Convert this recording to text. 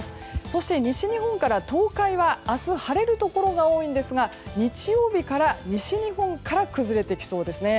そして西日本から東海は明日、晴れるところが多いんですが日曜日から、西日本から崩れていきそうですね。